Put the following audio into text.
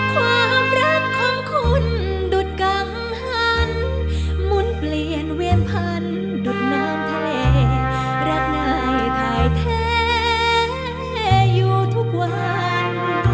ความรักของคุณดุดกังหันหมุนเปลี่ยนเวียนพันดูดน้ำทะเลรักง่ายถ่ายแท้อยู่ทุกวัน